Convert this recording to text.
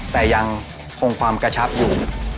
แต่ยังคงความกระชับอยู่